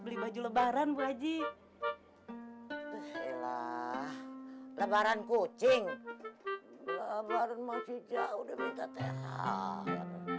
beli baju lebaran bu aji lebaran kucing lebaran masih jauh udah minta teas